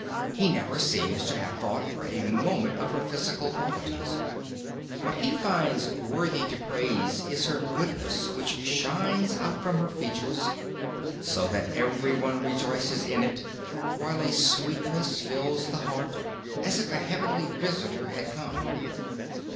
He never seems to have thought for a moment of her physical qualities. What he finds worthy to praise is her goodness which shines out from her features so that everyone rejoices in it, while a sweetness fills the heart as if a heavenly visitor had come.